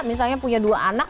misalnya punya dua anak